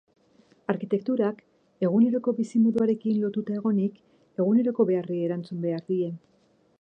Arkitekturak, eguneroko bizimoduarekin lotuta egonik, eguneroko beharrei erantzun behar die.